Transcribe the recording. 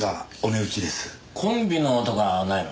コンビのとかはないの？